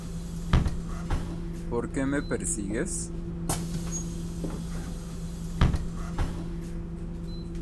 ¿por qué me persigues?